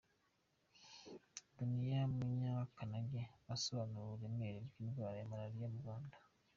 Dunia Munyakanage asobanura uburemere bw’indwara ya Malariya mu Rwanda.